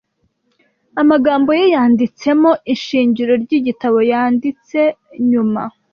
Amagambo ye yanditsemo ishingiro ryigitabo yanditse nyuma.